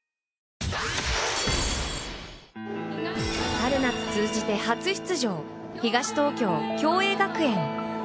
春夏通じて初出場、東東京・共栄学園。